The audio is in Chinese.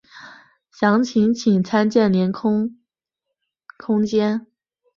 详情请参见连通空间。